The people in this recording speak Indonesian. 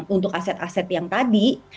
untuk aset aset yang tadi